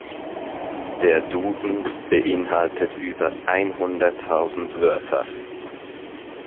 Der Duden beeinhaltet über einhunderttausend Wörter.